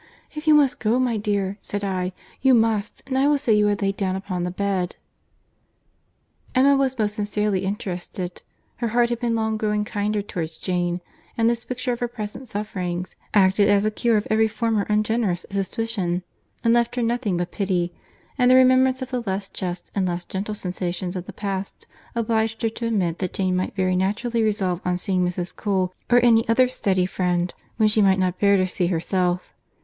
'If you must go, my dear,' said I, 'you must, and I will say you are laid down upon the bed.'" Emma was most sincerely interested. Her heart had been long growing kinder towards Jane; and this picture of her present sufferings acted as a cure of every former ungenerous suspicion, and left her nothing but pity; and the remembrance of the less just and less gentle sensations of the past, obliged her to admit that Jane might very naturally resolve on seeing Mrs. Cole or any other steady friend, when she might not bear to see herself.